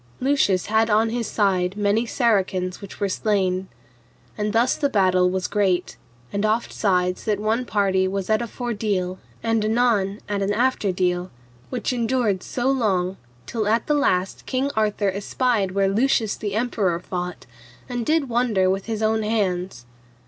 Lucius had on his side many Saracens which were slain. And thus the battle was great, and oftsides that one party was at a fordeal and anon at an afterdeal, which endured so long till at the last King Arthur espied where Lucius the Emperor fought, and did wonder with his own hands.